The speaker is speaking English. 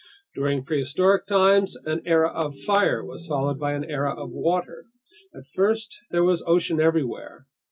During prehistoric times, an era of fire was followed by an era of water. At first there was ocean everywhere.